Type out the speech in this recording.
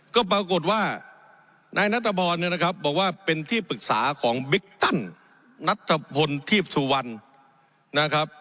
ก็ปรากฏว่านายนัทธพรบอกว่าเป็นที่ปรึกษาของบิ๊กตั้นนัทธพรทีพสุวรรณ